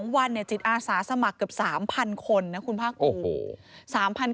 ๒วันจิตอาสาสมัครเกือบ๓๐๐๐คนคุณพ่อครู